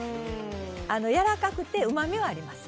やわらかくてうまみはあります。